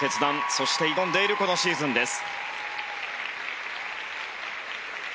そして挑んでいるこのシーズンです。